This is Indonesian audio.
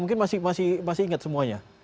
mungkin masih ingat semuanya